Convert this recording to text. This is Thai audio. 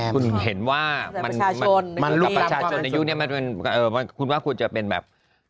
คุณเห็นว่าประชาชนในยุคนี้คุณว่าคุณจะเป็นแบบ